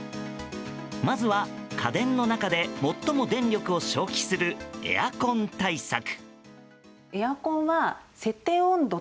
まずは家電の中で最も電力を消費するエアコン対策。